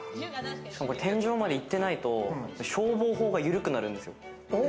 天井までいってないと消防法が緩くなるんですよ。